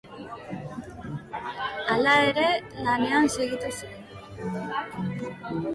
Hala ere, lanean segitu zuen.